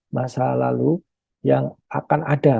masa lalu yang akan ada